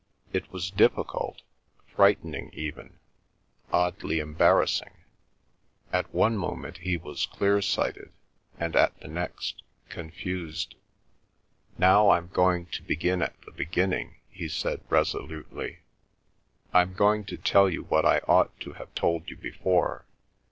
It was difficult, frightening even, oddly embarrassing. At one moment he was clear sighted, and, at the next, confused. "Now I'm going to begin at the beginning," he said resolutely. "I'm going to tell you what I ought to have told you before.